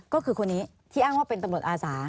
ก็คือคนนี้ที่อ้างว่าเป็นตำรวจอาสา